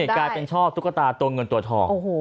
กลายเป็นชอบตุ๊กตาตัวเงินตัวทอง